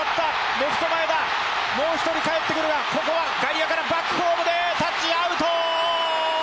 レフト前だ、もう１人帰ってくるが、ここは外野からバックホームでタッチアウト。